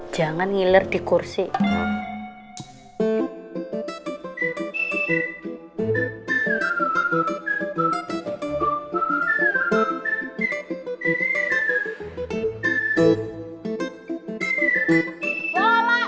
namanya abis tidur kerja